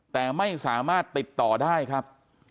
แต่ไม่สามารถติดต่อได้ครับ